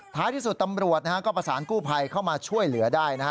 ท้ายที่สุดตำรวจนะฮะก็ประสานกู้ภัยเข้ามาช่วยเหลือได้นะฮะ